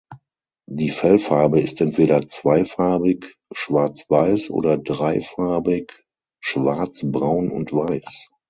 Die Fellfarbe ist entweder zweifarbig schwarzweiß oder dreifarbig schwarz, braun und weiß.